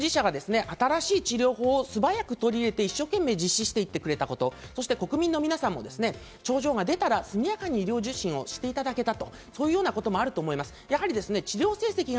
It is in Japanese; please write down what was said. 医療従事者が新しい治療法を素早く取り入れて、一生懸命実施していてくれたこと、そして国民の皆さんも症状が出たら、速やかに医療受診していただけた。